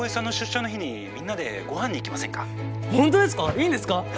いいんですか？